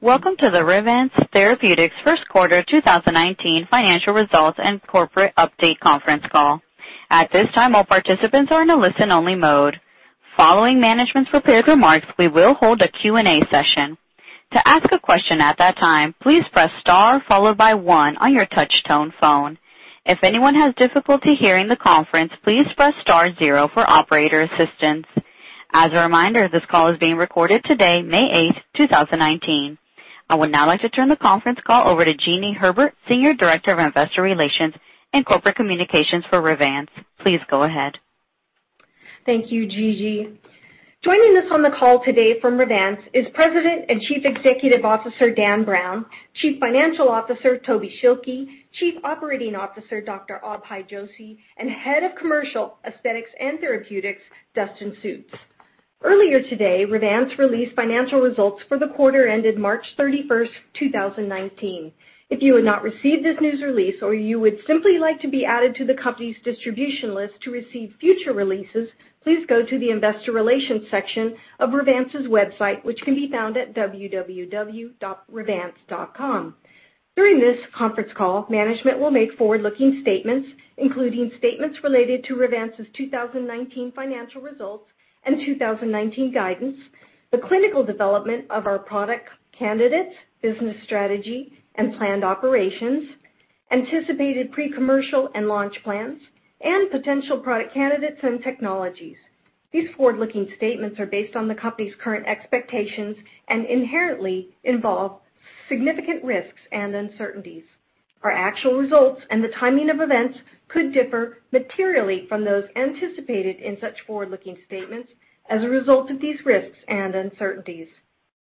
Welcome to the Revance Therapeutics first quarter 2019 financial results and corporate update conference call. At this time, all participants are in a listen-only mode. Following management's prepared remarks, we will hold a Q&A session. To ask a question at that time, please press star followed by one on your touch-tone phone. If anyone has difficulty hearing the conference, please press star zero for operator assistance. As a reminder, this call is being recorded today, May 8th, 2019. I would now like to turn the conference call over to Jeanie Herbert, Senior Director of Investor Relations and Corporate Communications for Revance. Please go ahead. Thank you, Gigi. Joining us on the call today from Revance is President and Chief Executive Officer, Dan Browne, Chief Financial Officer, Tobin Schilke, Chief Operating Officer, Dr. Abhay Joshi, and Head of Commercial Aesthetics and Therapeutics, Dustin Sjuts. Earlier today, Revance released financial results for the quarter ended March 31st, 2019. If you have not received this news release or you would simply like to be added to the company's distribution list to receive future releases, please go to the investor relations section of Revance's website, which can be found at www.revance.com. During this conference call, management will make forward-looking statements, including statements related to Revance's 2019 financial results and 2019 guidance, the clinical development of our product candidates, business strategy, and planned operations, anticipated pre-commercial and launch plans, and potential product candidates and technologies. These forward-looking statements are based on the company's current expectations and inherently involve significant risks and uncertainties. Our actual results and the timing of events could differ materially from those anticipated in such forward-looking statements as a result of these risks and uncertainties.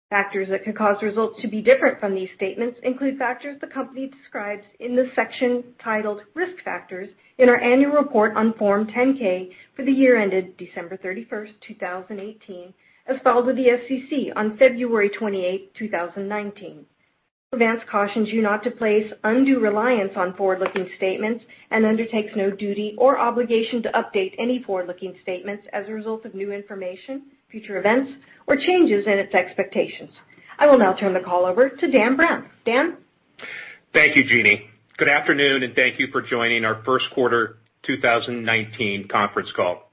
Factors that could cause results to be different from these statements include factors the company describes in the section titled Risk Factors in our annual report on Form 10-K for the year ended December 31st, 2018, as filed with the SEC on February 28th, 2019. Revance cautions you not to place undue reliance on forward-looking statements and undertakes no duty or obligation to update any forward-looking statements as a result of new information, future events, or changes in its expectations. I will now turn the call over to Dan Browne. Dan? Thank you, Jeanie. Good afternoon, and thank you for joining our first quarter 2019 conference call.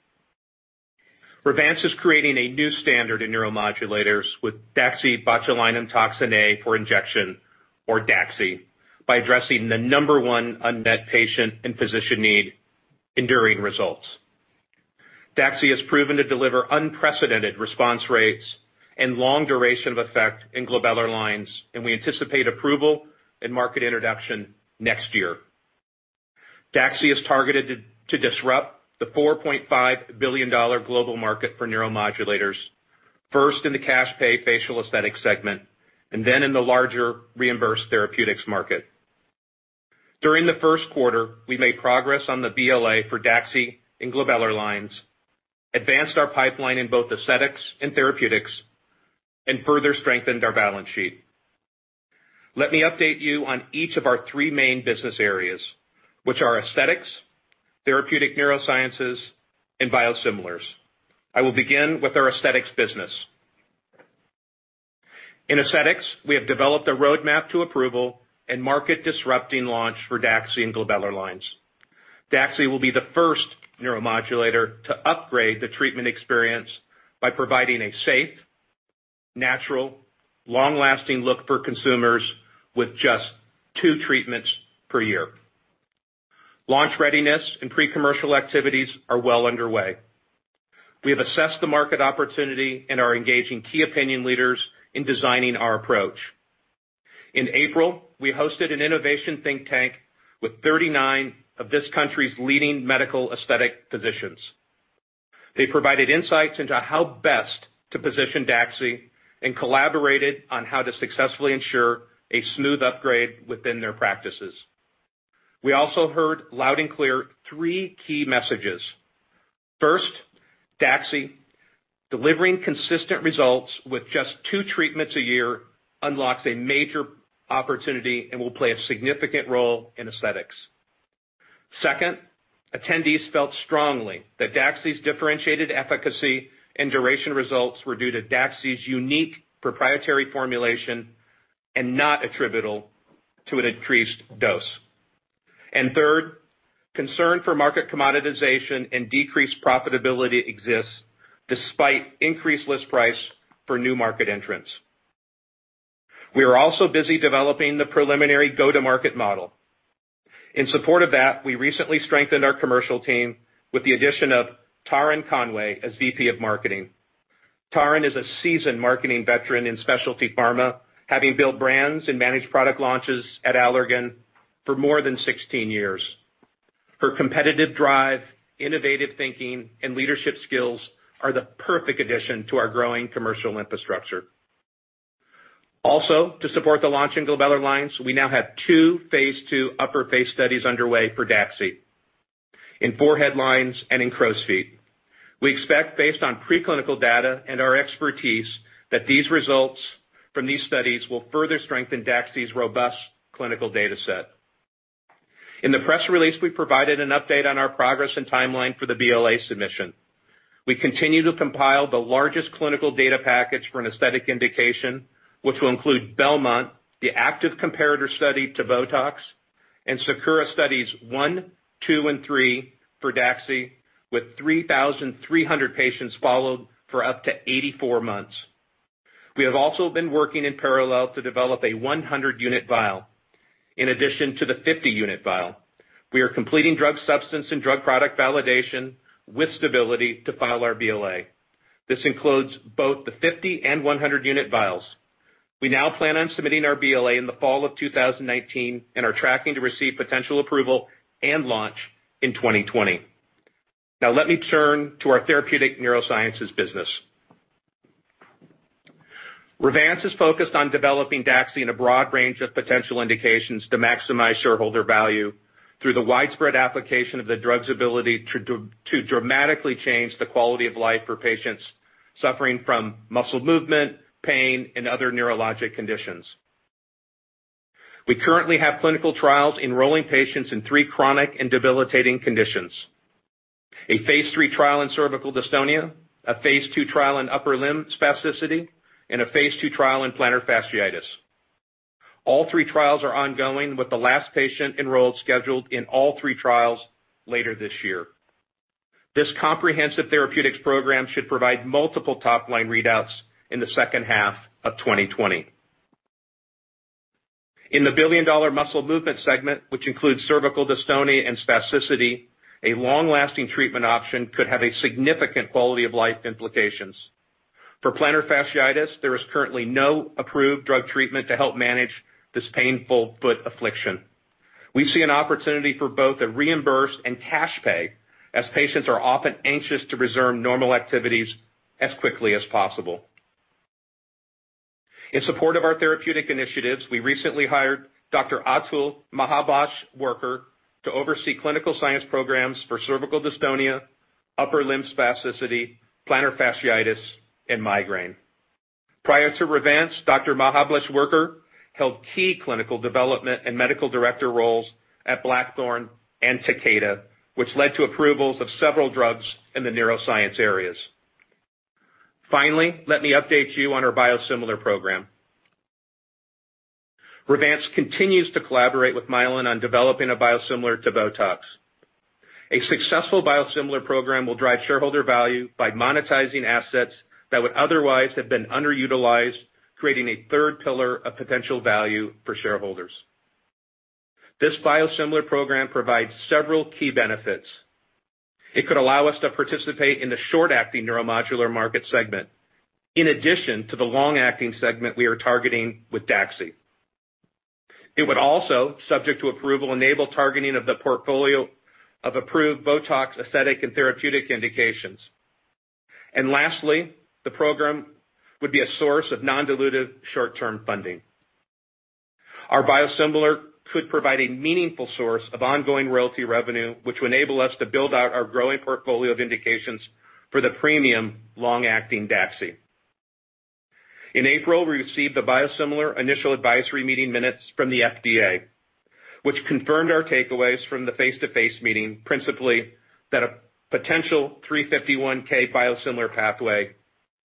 Revance is creating a new standard in neuromodulators with DaxibotulinumtoxinA for Injection, or DAXI, by addressing the number one unmet patient and physician need: enduring results. DAXI has proven to deliver unprecedented response rates and long duration of effect in glabellar lines, and we anticipate approval and market introduction next year. DAXI is targeted to disrupt the $4.5 billion global market for neuromodulators, first in the cash pay facial aesthetics segment, and then in the larger reimbursed therapeutics market. During the first quarter, we made progress on the BLA for DAXI in glabellar lines, advanced our pipeline in both aesthetics and therapeutics, and further strengthened our balance sheet. Let me update you on each of our three main business areas, which are aesthetics, therapeutic neurosciences, and biosimilars. I will begin with our aesthetics business. In aesthetics, we have developed a roadmap to approval and market-disrupting launch for DAXI in glabellar lines. DAXI will be the first neuromodulator to upgrade the treatment experience by providing a safe, natural, long-lasting look for consumers with just two treatments per year. Launch readiness and pre-commercial activities are well underway. We have assessed the market opportunity and are engaging key opinion leaders in designing our approach. In April, we hosted an innovation think tank with 39 of this country's leading medical aesthetic physicians. They provided insights into how best to position DAXI and collaborated on how to successfully ensure a smooth upgrade within their practices. We also heard loud and clear three key messages. First, DAXI delivering consistent results with just two treatments a year unlocks a major opportunity and will play a significant role in aesthetics. Second, attendees felt strongly that DAXI's differentiated efficacy and duration results were due to DAXI's unique proprietary formulation and not attributable to an increased dose. Third, concern for market commoditization and decreased profitability exists despite increased list price for new market entrants. We are also busy developing the preliminary go-to-market model. In support of that, we recently strengthened our commercial team with the addition of Taryn Conway as VP of Marketing. Taryn is a seasoned marketing veteran in specialty pharma, having built brands and managed product launches at Allergan for more than 16 years. Her competitive drive, innovative thinking, and leadership skills are the perfect addition to our growing commercial infrastructure. Also, to support the launch in glabellar lines, we now have two phase II upper face studies underway for DAXI, in forehead lines and in crow's feet. We expect, based on preclinical data and our expertise, that these results from these studies will further strengthen DAXI's robust clinical data set. In the press release, we provided an update on our progress and timeline for the BLA submission. We continue to compile the largest clinical data package for an aesthetic indication, which will include BELMONT, the active comparator study to BOTOX, and SAKURA Studies one, two, and three for DAXI with 3,300 patients followed for up to 84 months. We have also been working in parallel to develop a 100-unit vial in addition to the 50-unit vial. We are completing drug substance and drug product validation with stability to file our BLA. This includes both the 50 and 100 unit vials. We now plan on submitting our BLA in the fall of 2019 and are tracking to receive potential approval and launch in 2020. Now let me turn to our therapeutic neurosciences business. Revance is focused on developing DAXI in a broad range of potential indications to maximize shareholder value through the widespread application of the drug's ability to dramatically change the quality of life for patients suffering from muscle movement, pain, and other neurologic conditions. We currently have clinical trials enrolling patients in three chronic and debilitating conditions. A phase III trial in cervical dystonia, a phase II trial in upper limb spasticity, and a phase II trial in plantar fasciitis. All three trials are ongoing with the last patient enrolled scheduled in all three trials later this year. This comprehensive therapeutics program should provide multiple top-line readouts in the second half of 2020. In the billion-dollar muscle movement segment, which includes cervical dystonia and spasticity, a long-lasting treatment option could have significant quality of life implications. For plantar fasciitis, there is currently no approved drug treatment to help manage this painful foot affliction. We see an opportunity for both a reimbursed and cash pay, as patients are often anxious to resume normal activities as quickly as possible. In support of our therapeutic initiatives, we recently hired Dr. Atul Mahableshwarkar to oversee clinical science programs for cervical dystonia, upper limb spasticity, plantar fasciitis, and migraine. Prior to Revance, Dr. Atul Mahableshwarkar held key clinical development and medical director roles at BlackThorn and Takeda, which led to approvals of several drugs in the neuroscience areas. Finally, let me update you on our biosimilar program. Revance continues to collaborate with Mylan on developing a biosimilar to BOTOX. A successful biosimilar program will drive shareholder value by monetizing assets that would otherwise have been underutilized, creating a third pillar of potential value for shareholders. This biosimilar program provides several key benefits. It could allow us to participate in the short-acting neuromodulator market segment. In addition to the long-acting segment we are targeting with DAXI. It would also, subject to approval, enable targeting of the portfolio of approved BOTOX aesthetic and therapeutic indications. Lastly, the program would be a source of non-dilutive short-term funding. Our biosimilar could provide a meaningful source of ongoing royalty revenue, which will enable us to build out our growing portfolio of indications for the premium long-acting DAXI. In April, we received the biosimilar initial advisory meeting minutes from the FDA, which confirmed our takeaways from the face-to-face meeting, principally that a potential 351(k) biosimilar pathway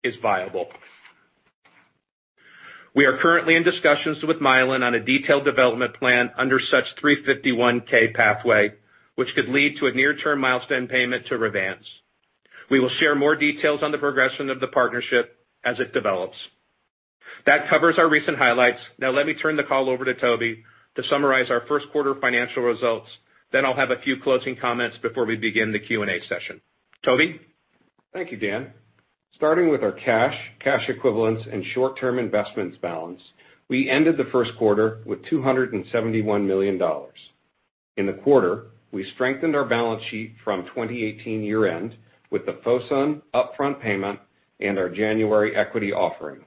is viable. We are currently in discussions with Mylan on a detailed development plan under such 351 pathway, which could lead to a near-term milestone payment to Revance. We will share more details on the progression of the partnership as it develops. That covers our recent highlights. Let me turn the call over to Toby to summarize our first quarter financial results. I'll have a few closing comments before we begin the Q&A session. Toby? Thank you, Dan. Starting with our cash equivalents, and short-term investments balance, we ended the first quarter with $271 million. In the quarter, we strengthened our balance sheet from 2018 year-end with the Fosun upfront payment and our January equity offering.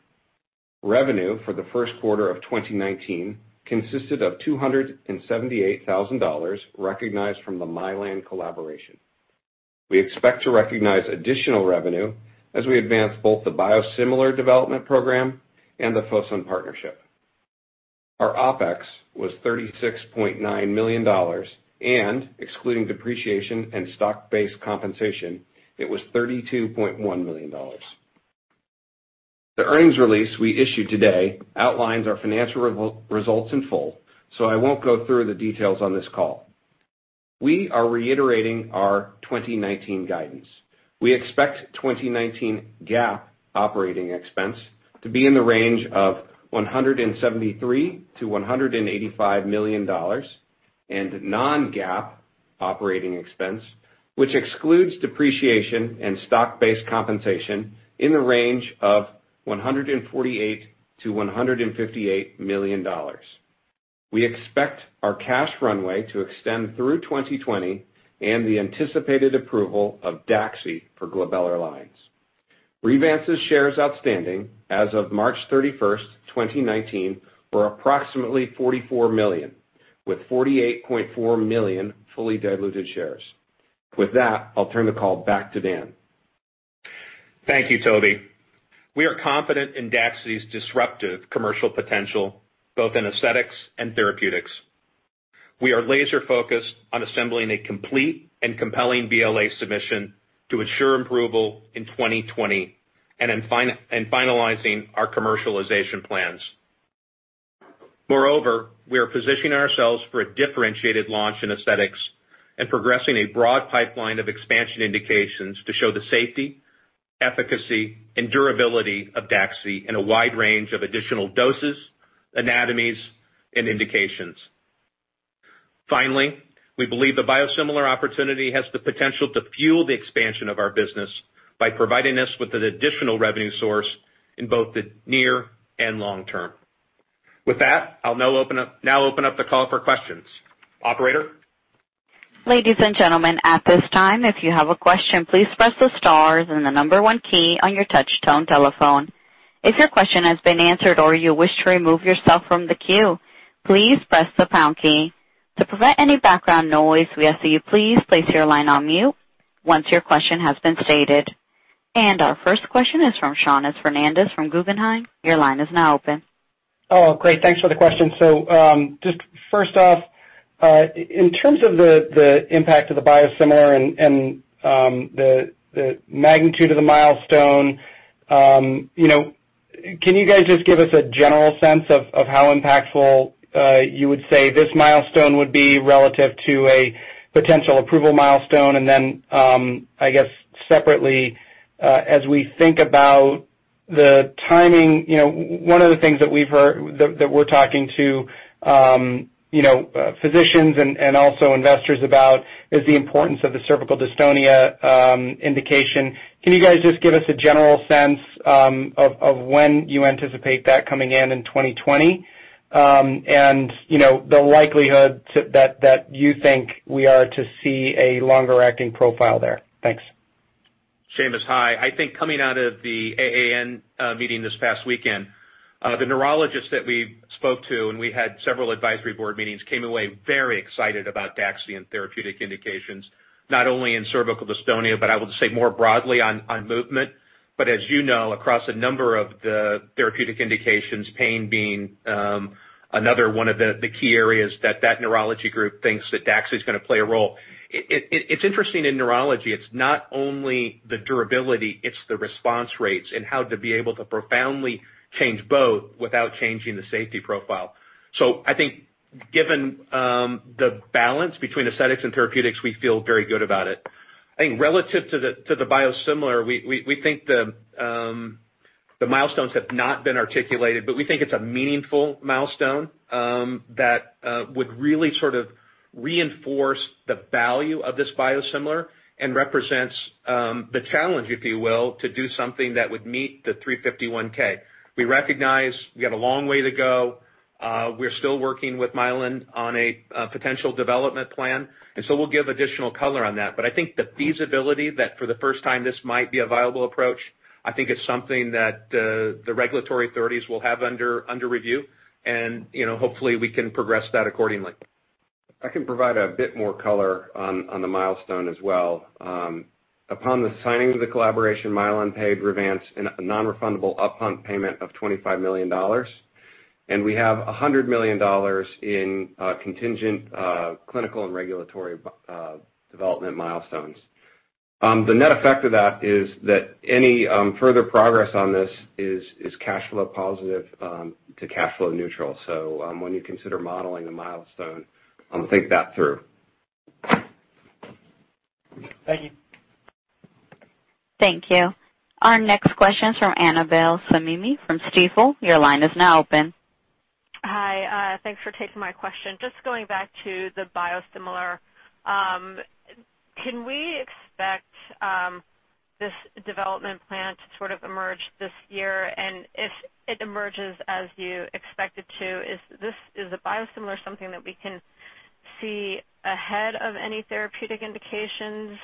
Revenue for the first quarter of 2019 consisted of $278,000 recognized from the Mylan collaboration. We expect to recognize additional revenue as we advance both the biosimilar development program and the Fosun partnership. Our OpEx was $36.9 million, and excluding depreciation and stock-based compensation, it was $32.1 million. The earnings release we issued today outlines our financial results in full, so I won't go through the details on this call. We are reiterating our 2019 guidance. We expect 2019 GAAP operating expense to be in the range of $173 million-$185 million, and non-GAAP operating expense, which excludes depreciation and stock-based compensation, in the range of $148 million-$158 million. We expect our cash runway to extend through 2020 and the anticipated approval of DAXI for glabellar lines. Revance's shares outstanding as of March 31st, 2019, were approximately 44 million, with 48.4 million fully diluted shares. With that, I'll turn the call back to Dan. Thank you, Toby. We are confident in DAXI's disruptive commercial potential, both in aesthetics and therapeutics. We are laser-focused on assembling a complete and compelling BLA submission to ensure approval in 2020 and in finalizing our commercialization plans. Moreover, we are positioning ourselves for a differentiated launch in aesthetics and progressing a broad pipeline of expansion indications to show the safety, efficacy, and durability of DAXI in a wide range of additional doses, anatomies, and indications. Finally, we believe the biosimilar opportunity has the potential to fuel the expansion of our business by providing us with an additional revenue source in both the near and long term. With that, I'll now open up the call for questions. Operator? Ladies and gentlemen, at this time, if you have a question, please press the star and the 1 key on your touch tone telephone. If your question has been answered or you wish to remove yourself from the queue, please press the pound key. To prevent any background noise, we ask that you please place your line on mute once your question has been stated. Our first question is from Seamus Fernandez from Guggenheim. Your line is now open. Great. Thanks for the question. Just first off, in terms of the impact of the biosimilar and the magnitude of the milestone, can you guys just give us a general sense of how impactful, you would say this milestone would be relative to a potential approval milestone? Then, I guess separately, as we think about the timing, one of the things that we're talking to physicians and also investors about is the importance of the cervical dystonia indication. Can you guys just give us a general sense of when you anticipate that coming in in 2020? The likelihood that you think we are to see a longer-acting profile there. Thanks. Seamus, hi. Coming out of the AAN meeting this past weekend, the neurologists that we spoke to, and we had several advisory board meetings, came away very excited about DAXI and therapeutic indications, not only in cervical dystonia, but I will say more broadly on movement. As you know, across a number of the therapeutic indications, pain being another one of the key areas that that neurology group thinks that DAXI is going to play a role. It's interesting in neurology, it's not only the durability, it's the response rates and how to be able to profoundly change both without changing the safety profile. Given the balance between aesthetics and therapeutics, we feel very good about it. Relative to the biosimilar, we think the milestones have not been articulated, but we think it's a meaningful milestone that would really sort of reinforce the value of this biosimilar and represents the challenge, if you will, to do something that would meet the 351(k). We recognize we have a long way to go. We're still working with Mylan on a potential development plan, we'll give additional color on that. The feasibility that for the first time this might be a viable approach, I think is something that the regulatory authorities will have under review, and hopefully we can progress that accordingly. I can provide a bit more color on the milestone as well. Upon the signing of the collaboration, Mylan paid Revance a non-refundable up-front payment of $25 million. We have $100 million in contingent clinical and regulatory development milestones. The net effect of that is that any further progress on this is cash flow positive to cash flow neutral. When you consider modeling a milestone, think that through. Thank you. Thank you. Our next question is from Annabel Samimy from Stifel. Your line is now open. Hi. Thanks for taking my question. Just going back to the biosimilar, can we expect this development plan to sort of emerge this year? If it emerges as you expect it to, is a biosimilar something that we can see ahead of any therapeutic indications,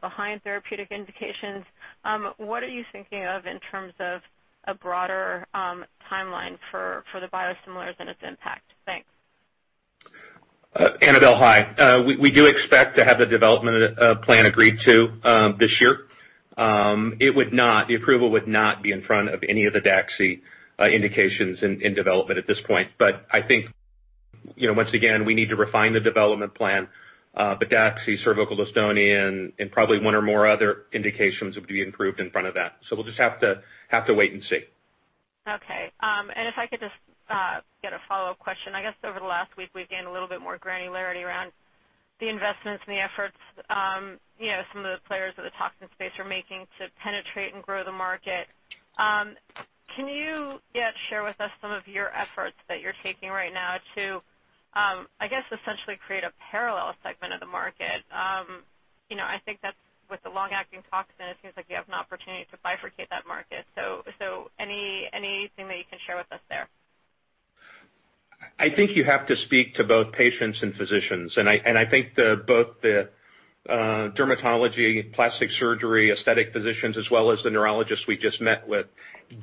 behind therapeutic indications? What are you thinking of in terms of a broader timeline for the biosimilars and its impact? Thanks. Annabel, hi. We do expect to have the development plan agreed to this year. The approval would not be in front of any of the DAXI indications in development at this point. I think, once again, we need to refine the development plan. DAXI cervical dystonia and probably one or more other indications would be approved in front of that. We'll just have to wait and see. Okay. If I could just get a follow-up question. I guess over the last week, we've gained a little bit more granularity around the investments and the efforts some of the players of the toxin space are making to penetrate and grow the market. Can you share with us some of your efforts that you're taking right now to, I guess, essentially create a parallel segment of the market? I think that with the long-acting toxin, it seems like you have an opportunity to bifurcate that market. Anything that you can share with us there? I think you have to speak to both patients and physicians. I think both the dermatology, plastic surgery, aesthetic physicians, as well as the neurologists we just met with,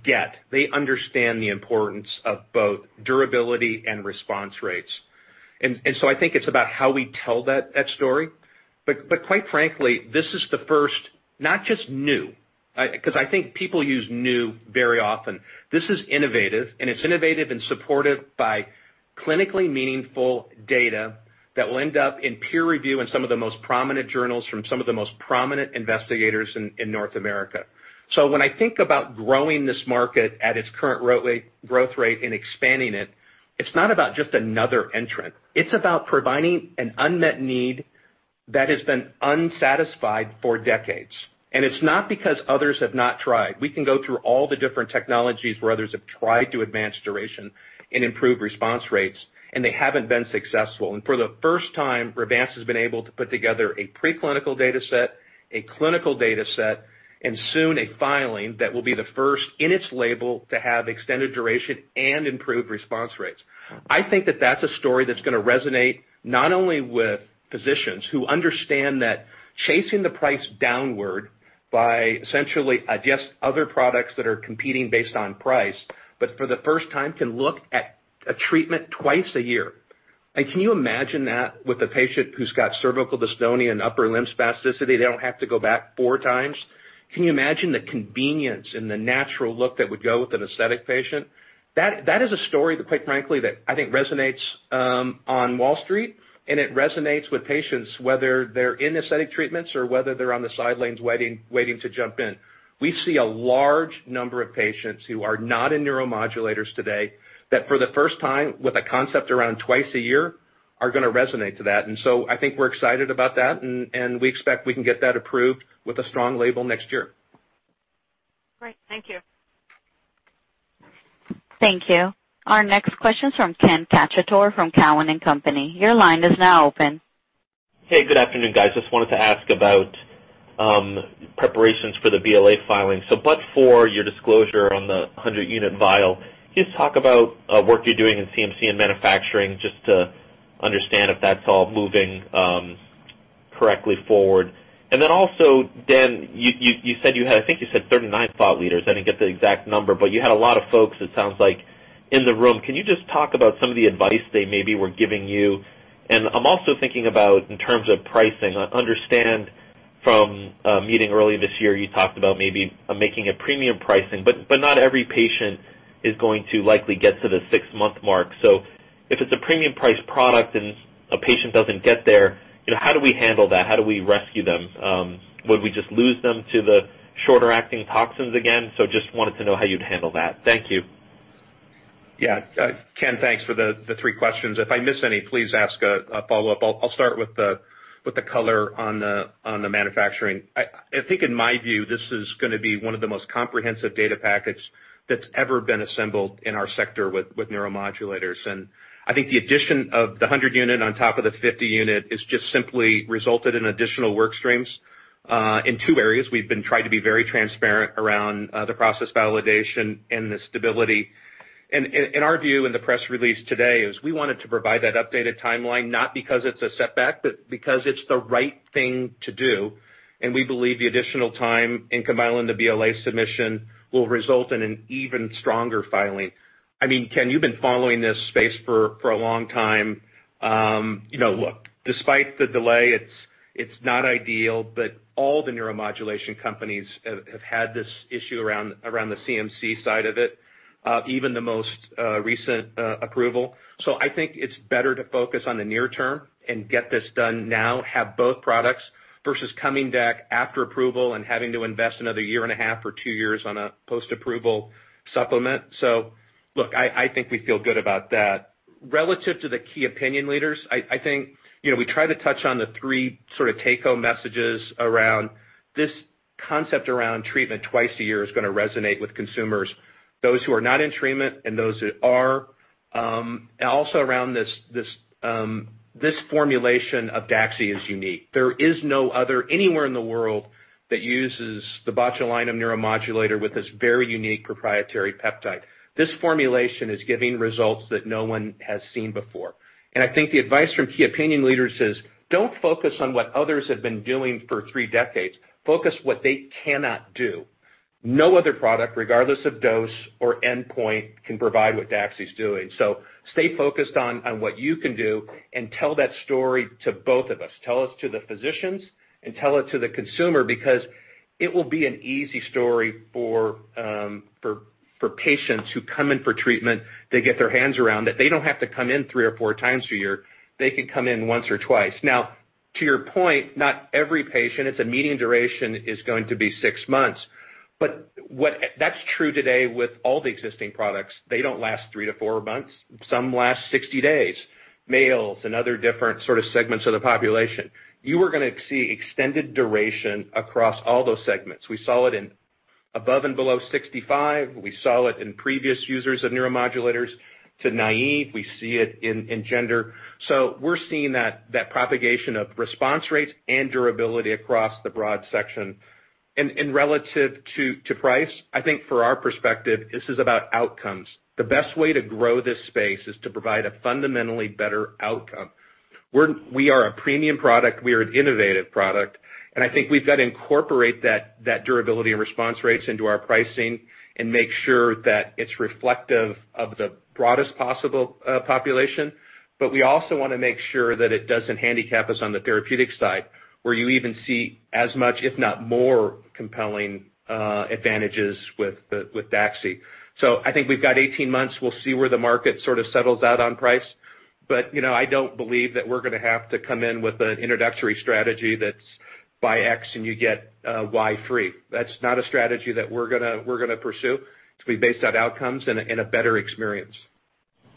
get. They understand the importance of both durability and response rates. I think it's about how we tell that story. But quite frankly, this is the first, not just new, because I think people use new very often. This is innovative, and it's innovative and supported by clinically meaningful data that will end up in peer review in some of the most prominent journals from some of the most prominent investigators in North America. When I think about growing this market at its current growth rate and expanding it's not about just another entrant. It's about providing an unmet need that has been unsatisfied for decades. It's not because others have not tried. We can go through all the different technologies where others have tried to advance duration and improve response rates, and they haven't been successful. For the first time, Revance has been able to put together a preclinical data set, a clinical data set, and soon a filing that will be the first in its label to have extended duration and improved response rates. I think that that's a story that's going to resonate not only with physicians who understand that chasing the price downward by essentially, I guess, other products that are competing based on price, but for the first time can look at a treatment twice a year. Can you imagine that with a patient who's got cervical dystonia and upper limb spasticity, they don't have to go back four times? Can you imagine the convenience and the natural look that would go with an aesthetic patient? That is a story that, quite frankly, that I think resonates on Wall Street, and it resonates with patients, whether they're in aesthetic treatments or whether they're on the sidelines waiting to jump in. We see a large number of patients who are not in neuromodulators today that for the first time, with a concept around twice a year, are going to resonate to that. I think we're excited about that, and we expect we can get that approved with a strong label next year. Great. Thank you. Thank you. Our next question is from Ken Cacciatore from Cowen and Company. Your line is now open. Hey, good afternoon, guys. Just wanted to ask about preparations for the BLA filing. But for your disclosure on the 100-unit vial, can you just talk about work you're doing in CMC and manufacturing just to understand if that's all moving correctly forward. Also, Dan, you said you had, I think you said 39 thought leaders. I didn't get the exact number, but you had a lot of folks, it sounds like, in the room. Can you just talk about some of the advice they maybe were giving you? I'm also thinking about in terms of pricing. I understand from a meeting earlier this year, you talked about maybe making a premium pricing, but not every patient is going to likely get to the six-month mark. If it's a premium price product and a patient doesn't get there, how do we handle that? How do we rescue them? Would we just lose them to the shorter acting toxins again? Just wanted to know how you'd handle that. Thank you. Yeah. Ken, thanks for the three questions. If I miss any, please ask a follow-up. I'll start with the color on the manufacturing. I think in my view, this is going to be one of the most comprehensive data packets that's ever been assembled in our sector with neuromodulators. I think the addition of the 100 unit on top of the 50 unit has just simply resulted in additional work streams in two areas. We've been trying to be very transparent around the process validation and the stability. Our view in the press release today is we wanted to provide that updated timeline, not because it's a setback, but because it's the right thing to do. We believe the additional time in compiling the BLA submission will result in an even stronger filing. I mean, Ken, you've been following this space for a long time. Despite the delay, it's not ideal, all the neuromodulator companies have had this issue around the CMC side of it, even the most recent approval. I think it's better to focus on the near term and get this done now, have both products versus coming back after approval and having to invest another year and a half or two years on a post-approval supplement. I think we feel good about that. Relative to the Key Opinion Leaders, I think we try to touch on the three sort of take-home messages around this concept around treatment twice a year is going to resonate with consumers, those who are not in treatment and those that are. Around this formulation of DAXI is unique. There is no other anywhere in the world that uses the botulinum neuromodulator with this very unique proprietary peptide. This formulation is giving results that no one has seen before. I think the advice from Key Opinion Leaders is don't focus on what others have been doing for three decades. Focus what they cannot do. No other product, regardless of dose or endpoint, can provide what DAXI's doing. Stay focused on what you can do and tell that story to both of us. Tell it to the physicians and tell it to the consumer because it will be an easy story for patients who come in for treatment to get their hands around it. They don't have to come in three or four times a year. They can come in once or twice. To your point, not every patient, it's a median duration, is going to be six months. That's true today with all the existing products. They don't last three to four months. Some last 60 days. Males and other different sort of segments of the population. You are going to see extended duration across all those segments. We saw it in above and below 65. We saw it in previous users of neuromodulators to naive. We see it in gender. We're seeing that propagation of response rates and durability across the broad section. Relative to price, I think for our perspective, this is about outcomes. The best way to grow this space is to provide a fundamentally better outcome. We are a premium product. We are an innovative product. And I think we've got to incorporate that durability and response rates into our pricing and make sure that it's reflective of the broadest possible population. We also want to make sure that it doesn't handicap us on the therapeutic side, where you even see as much, if not more, compelling advantages with DAXI. I think we've got 18 months. We'll see where the market sort of settles out on price. I don't believe that we're going to have to come in with an introductory strategy that's buy X and you get Y free. That's not a strategy that we're going to pursue. It'll be based on outcomes and a better experience.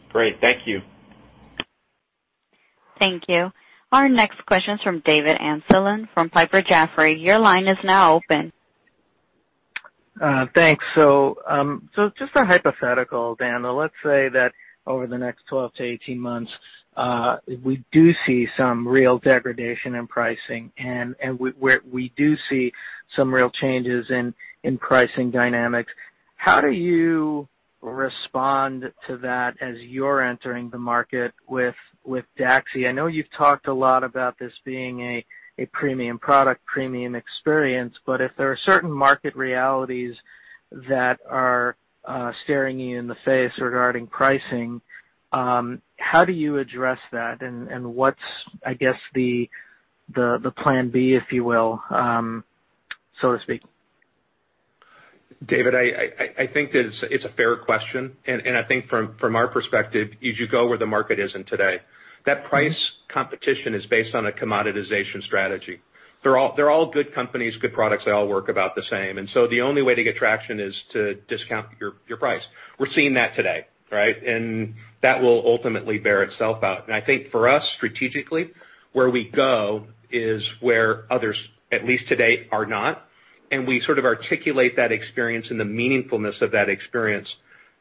Great. Thank you. Thank you. Our next question is from David Amsellem from Piper Sandler. Your line is now open. Thanks. Just a hypothetical, Dan. Let's say that over the next 12-18 months, we do see some real degradation in pricing, and we do see some real changes in pricing dynamics. How do you respond to that as you're entering the market with DAXI? I know you've talked a lot about this being a premium product, premium experience, but if there are certain market realities that are staring you in the face regarding pricing, how do you address that and what's, I guess, the plan B, if you will, so to speak? David, I think that it's a fair question. I think from our perspective, you should go where the market isn't today. That price competition is based on a commoditization strategy. They're all good companies, good products. They all work about the same, the only way to get traction is to discount your price. We're seeing that today, right? That will ultimately bear itself out. I think for us, strategically, where we go is where others, at least today, are not, and we sort of articulate that experience and the meaningfulness of that experience.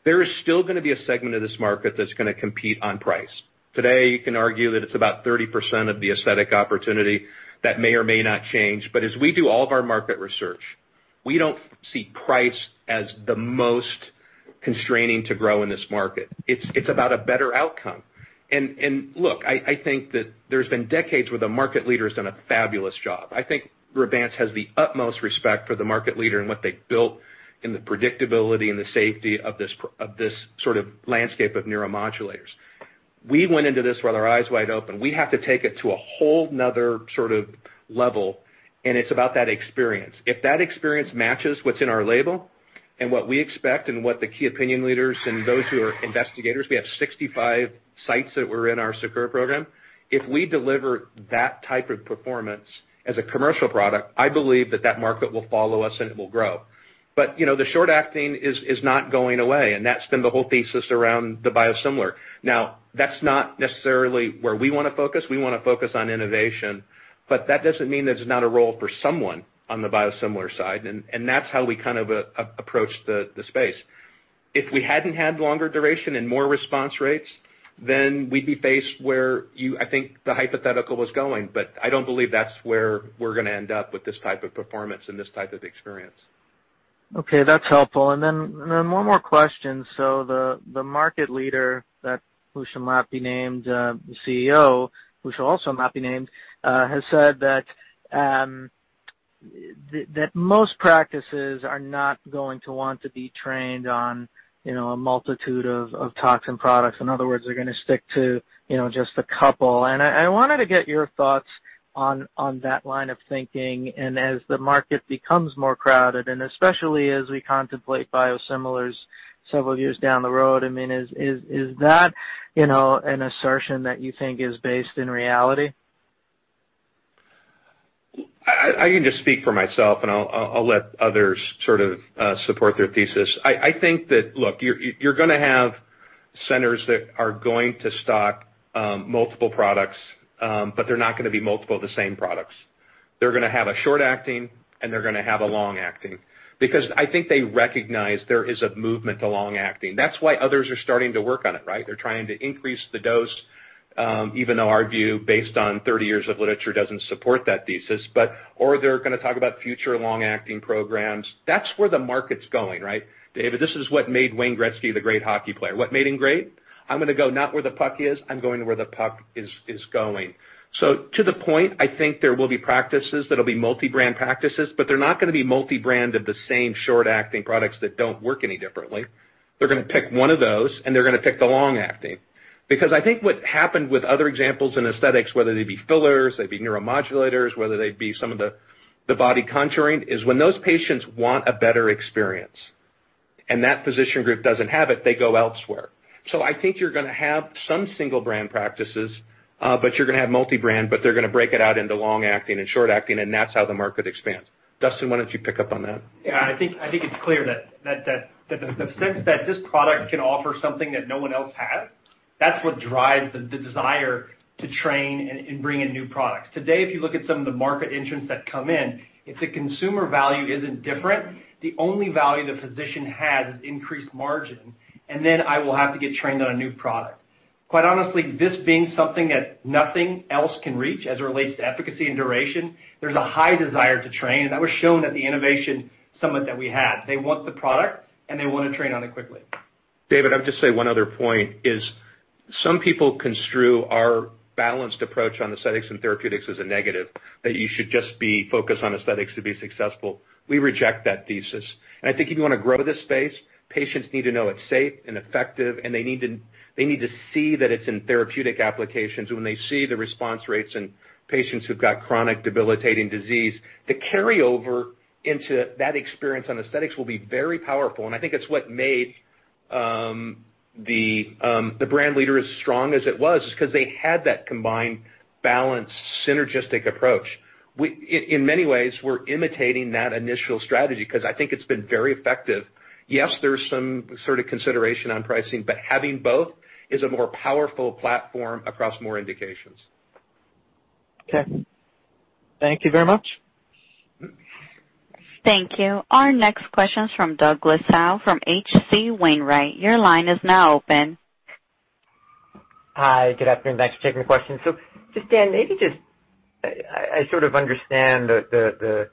There is still going to be a segment of this market that's going to compete on price. Today, you can argue that it's about 30% of the aesthetic opportunity. That may or may not change. As we do all of our market research, we don't see price as the most constraining to grow in this market. It's about a better outcome. Look, I think that there's been decades where the market leader's done a fabulous job. I think Revance has the utmost respect for the market leader and what they've built in the predictability and the safety of this sort of landscape of neuromodulators. We went into this with our eyes wide open. We have to take it to a whole another sort of level, and it's about that experience. If that experience matches what's in our label and what we expect and what the key opinion leaders and those who are investigators, we have 65 sites that were in our SAKURA program. If we deliver that type of performance as a commercial product, I believe that that market will follow us and it will grow. The short acting is not going away, and that's been the whole thesis around the biosimilar. That's not necessarily where we want to focus. We want to focus on innovation. That doesn't mean there's not a role for someone on the biosimilar side, and that's how we kind of approach the space. If we hadn't had longer duration and more response rates, then we'd be based where you, I think, the hypothetical was going. I don't believe that's where we're going to end up with this type of performance and this type of experience. Okay. That's helpful. Then one more question. The market leader that who shall not be named, the CEO, who shall also not be named, has said that most practices are not going to want to be trained on a multitude of toxin products. In other words, they're going to stick to just a couple. I wanted to get your thoughts on that line of thinking. As the market becomes more crowded, and especially as we contemplate biosimilars several years down the road, is that an assertion that you think is based in reality? I can just speak for myself. I'll let others sort of support their thesis. I think that, look, you're going to have centers that are going to stock multiple products, they're not going to be multiple of the same products. They're going to have a short acting, and they're going to have a long acting. I think they recognize there is a movement to long acting. That's why others are starting to work on it, right? They're trying to increase the dose, even though our view, based on 30 years of literature, doesn't support that thesis. They're going to talk about future long-acting programs. That's where the market's going, right, David? This is what made Wayne Gretzky the great hockey player. What made him great? I'm going to go not where the puck is. I'm going where the puck is going. To the point, I think there will be practices that'll be multi-brand practices, but they're not going to be multi-brand of the same short-acting products that don't work any differently. They're going to pick one of those, and they're going to pick the long-acting. Because I think what happened with other examples in aesthetics, whether they be fillers, they be neuromodulators, whether they be some of the body contouring, is when those patients want a better experience and that physician group doesn't have it, they go elsewhere. I think you're going to have some single brand practices, but you're going to have multi-brand, but they're going to break it out into long-acting and short-acting, and that's how the market expands. Dustin, why don't you pick up on that? Yeah, I think it's clear that the sense that this product can offer something that no one else has, that's what drives the desire to train and bring in new products. Today, if you look at some of the market entrants that come in, if the consumer value isn't different, the only value the physician has is increased margin, and then I will have to get trained on a new product. Quite honestly, this being something that nothing else can reach as it relates to efficacy and duration, there's a high desire to train, and that was shown at the innovation summit that we had. They want the product and they want to train on it quickly. David, I'll just say one other point is some people construe our balanced approach on aesthetics and therapeutics as a negative, that you should just be focused on aesthetics to be successful. We reject that thesis. I think if you want to grow this space, patients need to know it's safe and effective, and they need to see that it's in therapeutic applications. When they see the response rates in patients who've got chronic debilitating disease, the carryover into that experience on aesthetics will be very powerful. I think it's what made the brand leader as strong as it was is because they had that combined balanced, synergistic approach. In many ways, we're imitating that initial strategy because I think it's been very effective. Yes, there's some sort of consideration on pricing, but having both is a more powerful platform across more indications. Okay. Thank you very much. Thank you. Our next question is from Douglas Howe from H.C. Wainwright. Your line is now open. Hi, good afternoon. Thanks for taking the question. Just, Dan, I sort of understand the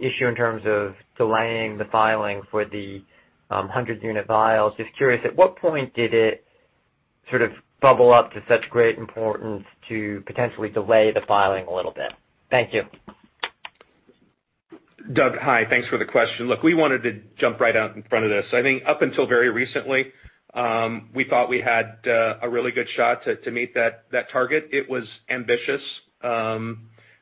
issue in terms of delaying the filing for the 100-unit vials. Just curious, at what point did it sort of bubble up to such great importance to potentially delay the filing a little bit? Thank you. Doug, hi. Thanks for the question. Look, we wanted to jump right out in front of this. I think up until very recently, we thought we had a really good shot to meet that target. It was ambitious.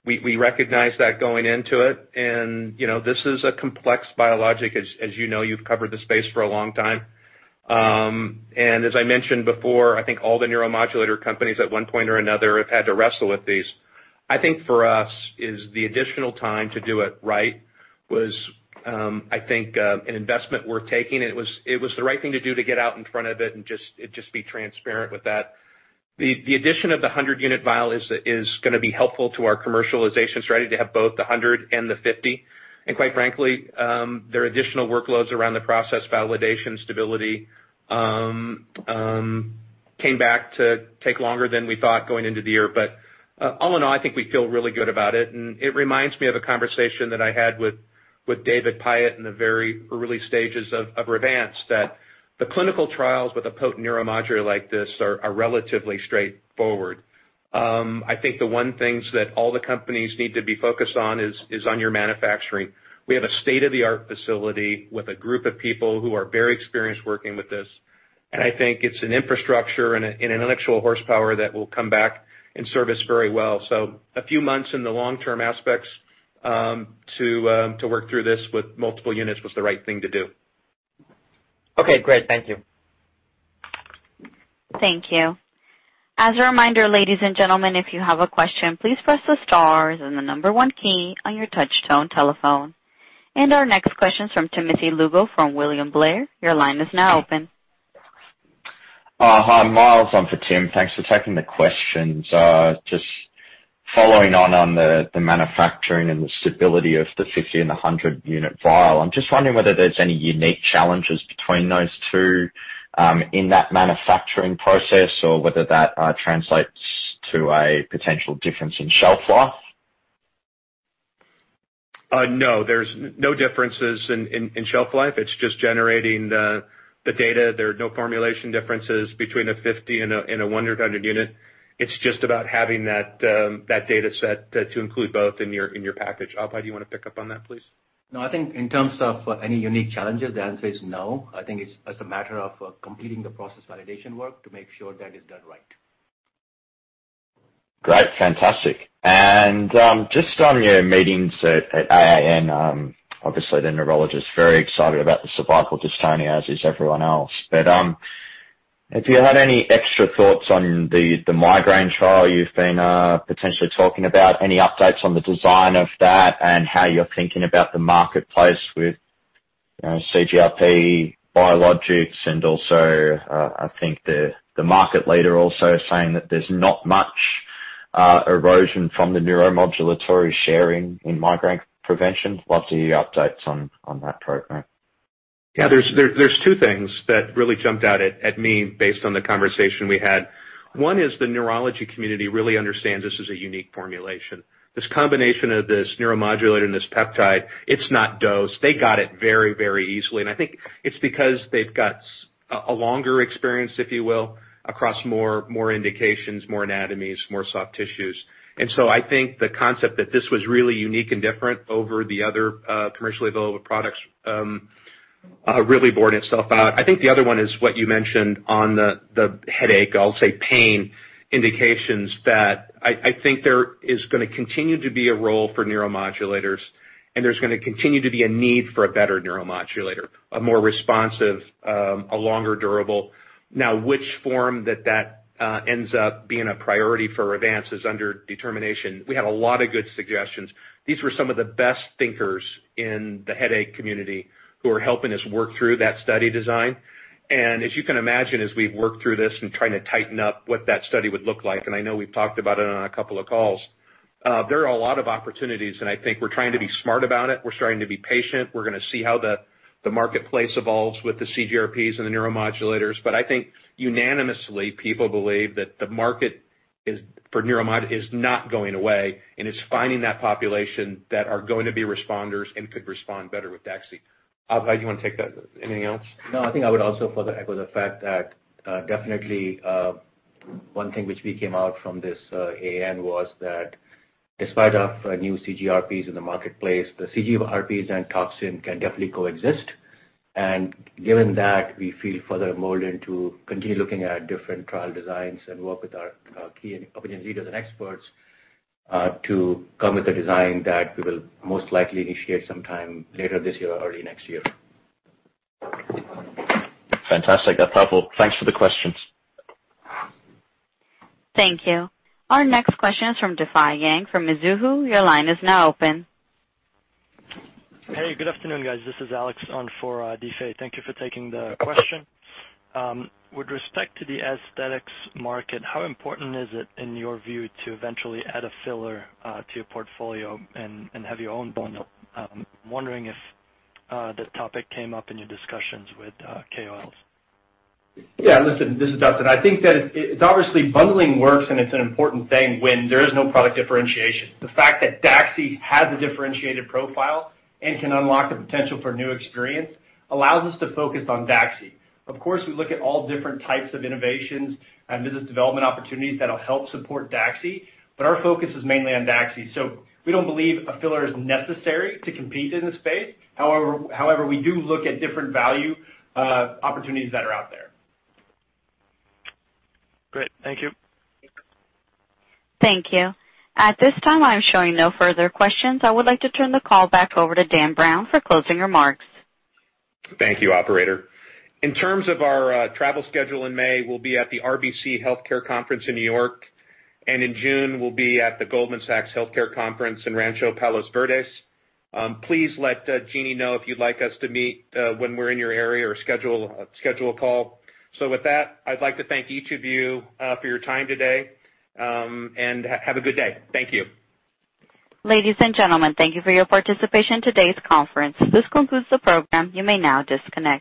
We recognized that going into it, this is a complex biologic as you know. You've covered the space for a long time. As I mentioned before, I think all the neuromodulator companies at one point or another have had to wrestle with these. I think for us is the additional time to do it right was, I think, an investment worth taking, and it was the right thing to do to get out in front of it and just be transparent with that. The addition of the 100-unit vial is going to be helpful to our commercialization strategy to have both the 100 and the 50. Quite frankly, there are additional workloads around the process validation, stability, came back to take longer than we thought going into the year. All in all, I think we feel really good about it. It reminds me of a conversation that I had with David Pyott in the very early stages of Revance, that the clinical trials with a potent neuromodulator like this are relatively straightforward. I think the one thing that all the companies need to be focused on is on your manufacturing. We have a state-of-the-art facility with a group of people who are very experienced working with this, and I think it's an infrastructure and intellectual horsepower that will come back and service very well. A few months in the long-term aspects to work through this with multiple units was the right thing to do. Okay, great. Thank you. Thank you. As a reminder, ladies and gentlemen, if you have a question, please press the star and the number 1 key on your touchtone telephone. Our next question is from Timothy Lugo from William Blair. Your line is now open. Hi, Myles on for Tim. Thanks for taking the questions. Just following on the manufacturing and the stability of the 50 and 100 unit vial. I'm just wondering whether there's any unique challenges between those 2 in that manufacturing process or whether that translates to a potential difference in shelf life. No, there's no differences in shelf life. It's just generating the data. There are no formulation differences between a 50 and a 100 unit. It's just about having that data set to include both in your package. Abhay, do you want to pick up on that, please? No, I think in terms of any unique challenges, the answer is no. I think it's as a matter of completing the process validation work to make sure that is done right. Great. Fantastic. Just on your meetings at AAN, obviously the neurologist, very excited about the cervical dystonia, as is everyone else. Have you had any extra thoughts on the migraine trial you've been potentially talking about? Any updates on the design of that and how you're thinking about the marketplace with CGRP biologics and also, I think the market leader also saying that there's not much erosion from the neuromodulatory sharing in migraine prevention. Love to hear your updates on that program. There's two things that really jumped out at me based on the conversation we had. One is the neurology community really understands this is a unique formulation. This combination of this neuromodulator and this peptide, it's not dosed. They got it very, very easily. I think it's because they've got a longer experience, if you will, across more indications, more anatomies, more soft tissues. I think the concept that this was really unique and different over the other commercially available products really borne itself out. I think the other one is what you mentioned on the headache, I'll say pain indications that I think there is going to continue to be a role for neuromodulators, and there's going to continue to be a need for a better neuromodulator, a more responsive, a longer durable. Which form that ends up being a priority for Revance is under determination. We had a lot of good suggestions. These were some of the best thinkers in the headache community who are helping us work through that study design. As you can imagine, as we've worked through this and trying to tighten up what that study would look like, and I know we've talked about it on a couple of calls. There are a lot of opportunities, I think we're trying to be smart about it. We're starting to be patient. We're going to see how the marketplace evolves with the CGRPs and the neuromodulators. I think unanimously, people believe that the market for neuromod is not going away, and it's finding that population that are going to be responders and could respond better with DAXI. Abhay, do you want to take that? Anything else? No, I think I would also further echo the fact that definitely, one thing which we came out from this AAN was that despite of new CGRPs in the marketplace, the CGRPs and toxin can definitely coexist. Given that, we feel further emboldened to continue looking at different trial designs and work with our KOLs and experts to come with a design that we will most likely initiate sometime later this year or early next year. Fantastic. That's helpful. Thanks for the questions. Thank you. Our next question is from Difei Yang from Mizuho. Your line is now open. Hey, good afternoon, guys. This is Alex on for Difei. Thank you for taking the question. With respect to the aesthetics market, how important is it in your view to eventually add a filler to your portfolio and have your own bundle? I'm wondering if the topic came up in your discussions with KOLs. Yeah, listen, this is Dustin. I think that it's obviously bundling works and it's an important thing when there is no product differentiation. The fact that DAXI has a differentiated profile and can unlock the potential for new experience allows us to focus on DAXI. Of course, we look at all different types of innovations and business development opportunities that'll help support DAXI, but our focus is mainly on DAXI. We don't believe a filler is necessary to compete in the space. However, we do look at different value opportunities that are out there. Great. Thank you. Thank you. At this time, I'm showing no further questions. I would like to turn the call back over to Dan Browne for closing remarks. Thank you, operator. In terms of our travel schedule in May, we'll be at the RBC Healthcare Conference in New York, and in June we'll be at the Goldman Sachs Healthcare Conference in Rancho Palos Verdes. Please let Jeanie know if you'd like us to meet when we're in your area or schedule a call. With that, I'd like to thank each of you for your time today, and have a good day. Thank you. Ladies and gentlemen, thank you for your participation in today's conference. This concludes the program. You may now disconnect.